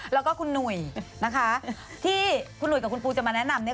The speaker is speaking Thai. แล้วก็คุณหนุ่ยนะคะที่คุณหนุ่ยกับคุณปูจะมาแนะนำเนี่ย